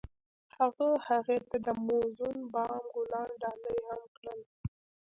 هغه هغې ته د موزون بام ګلان ډالۍ هم کړل.